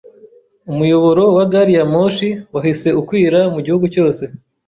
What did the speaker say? Umuyoboro wa gari ya moshi wahise ukwira mu gihugu cyose.